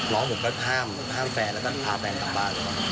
น้องผมก็ห้ามแฟนแล้วก็พาแฟนกลับบ้าน